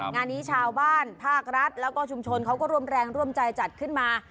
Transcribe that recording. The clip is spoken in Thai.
งานนี้ชาวบ้านภาครัฐแล้วก็ชุมชนเขาก็ร่วมแรงร่วมใจจัดขึ้นมา